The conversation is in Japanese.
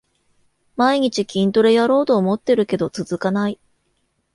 毎日筋トレやろうと思ってるけど続かない